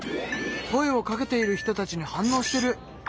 声をかけている人たちに反応してる！